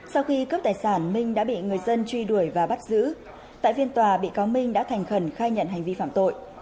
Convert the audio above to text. sau khi cướp tài sản minh đã bị người dân truy đuổi và bắt giữ tại phiên tòa bị cáo minh đã thành khẩn khai nhận hành vi phạm tội